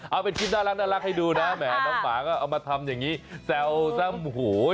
เอาเป็นคลิปน่ารักให้ดูนะแหมน้องหมาก็เอามาทำอย่างนี้แซวซะโอ้โห